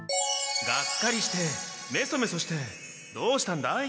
がっかりしてめそめそしてどうしたんだい？